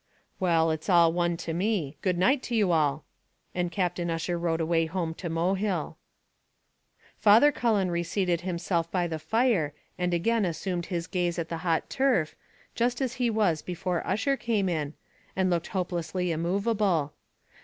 '" "Well, it's all one to me: good night to you all," and Captain Ussher rode away home to Mohill. Father Cullen reseated himself by the fire, and again assumed his gaze at the hot turf, just as he was before Ussher came in, and looked hopelessly immovable.